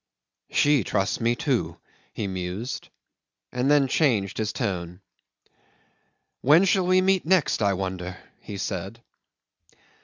"She trusts me, too," he mused, and then changed his tone. "When shall we meet next, I wonder?" he said.